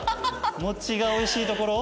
餅が美味しいところ？